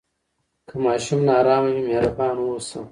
که ماشوم نارامه وي، مهربان اوسه.